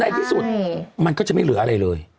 ในที่สุดมันก็จะไม่เหลืออะไรเลย